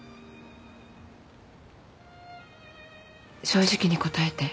正直に答えて。